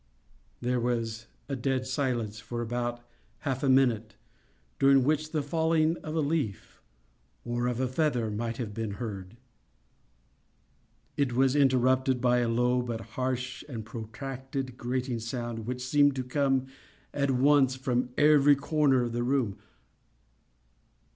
There was a dead silence for about half a minute, during which the falling of a leaf, or of a feather, might have been heard. It was interrupted by a low, but harsh and protracted grating sound which seemed to come at once from every corner of the room.